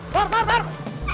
taruh taruh taruh